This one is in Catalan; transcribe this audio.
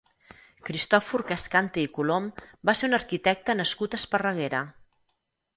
Cristòfor Cascante i Colom va ser un arquitecte nascut a Esparreguera.